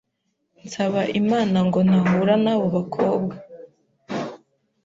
nsaba Imana ngo ntahura n’abo bakobwa